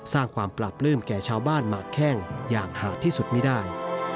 สร้างความปราบปลื้มแก่ชาวบ้านหมากแข้งอย่างหาดที่สุดไม่ได้